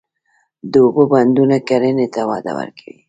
د اوبو بندونه کرنې ته وده ورکوي.